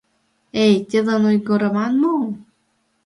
Эй, тидлан ойгырыман мо?